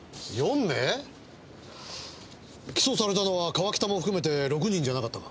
起訴されたのは川北も含めて６人じゃなかったか？